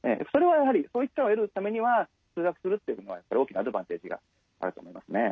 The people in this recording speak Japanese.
そういう機会を得るためには通学するっていうのは大きなアドバンテージがあると思いますね。